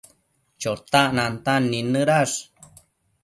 Chotac nantan nidnëdash